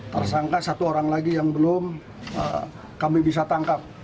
tersangka satu orang lagi yang belum kami bisa tangkap